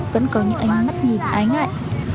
vẫn có những ánh mắt nhìn ái ngại